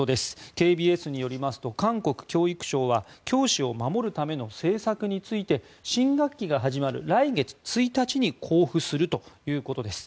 ＫＢＳによりますと韓国教育省は教師を守るための政策について新学期が始まる来月１日に公布するということです。